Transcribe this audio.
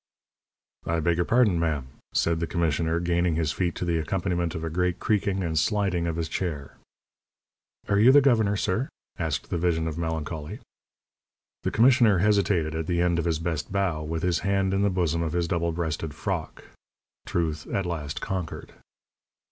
"I beg your pardon, ma'am," said the commissioner, gaining his feet to the accompaniment of a great creaking and sliding of his chair. "Are you the governor, sir?" asked the vision of melancholy. The commissioner hesitated at the end of his best bow, with his hand in the bosom of his double breasted "frock." Truth at last conquered.